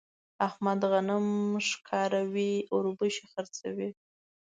احمد غنم ښکاروي ـ اوربشې خرڅوي.